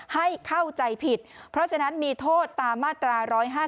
ให้เข้าใจผิดเพราะฉะนั้นมีโทษตามมาตรา๑๕๗